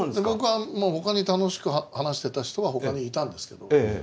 僕は他に楽しく話してた人は他にいたんですけど。